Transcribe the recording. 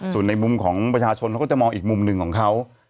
ส่วนในมุมของประชาชนเขาก็จะมองอีกมุมหนึ่งของเขา